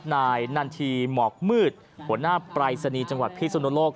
ยอดจำหน่ายนันทีหมอกมืดหัวหน้าปลายศนียบัตรจังหวัดพิษนุโลก